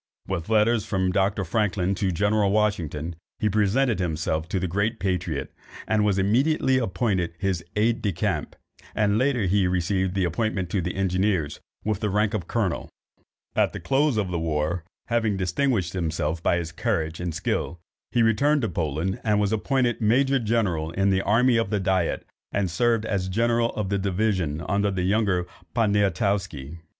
With letters from Dr. Franklin to General Washington, he presented himself to the great patriot, and was immediately appointed his aid de camp, and later he received the appointment to the engineers, with the rank of colonel. At the close of the war, having distinguished himself by his courage and skill, he returned to Poland, was appointed major general in the army of the diet, and served as general of division under the younger Poniatowski.